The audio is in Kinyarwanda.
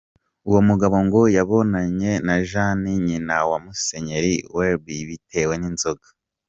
Uwo mugabo ngo yabonanye na Jane nyina wa Musenyeli Welby, bitewe n’inzoga.